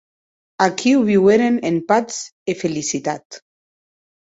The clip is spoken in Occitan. Aquiu viueren en patz e felicitat.